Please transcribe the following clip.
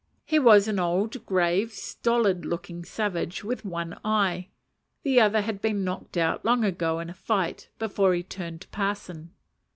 He was an old, grave, stolid looking savage, with one eye; the other had been knocked out long ago in a fight, before he turned parson.